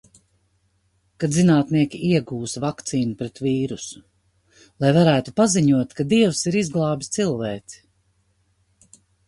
Kad zinātnieki iegūs vakcīnu pret vīrusu. Lai varētu paziņot, ka Dievs ir izglābis cilvēci.